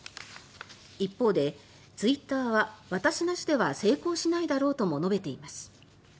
一方で、ツイッターは私なしでは成功しないだろうとも述べています。